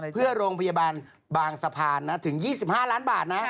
เพื่อโรงพยาบาลบางสะพานถึง๒๕ล้านบาทนะ